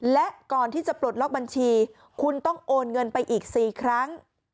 และก่อนที่จะปลดล็อกบัญชีคุณต้องโอนเงินไปอีก๔ครั้ง